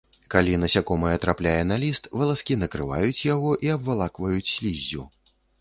Калі насякомае трапляе на ліст, валаскі накрываюць яго і абвалакваюць сліззю.